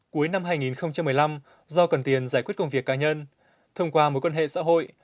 cuối năm hai nghìn một mươi năm do cần tiền giải quyết công việc cá nhân thông qua mối quan hệ xã hội